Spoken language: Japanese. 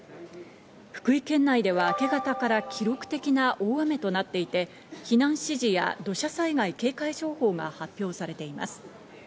福井県内では明け方から記録的な大雨となっていて、避難指示や土砂災害警戒情報が発表されています。